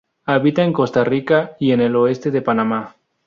Habita en Costa Rica y en el oeste de Panamá.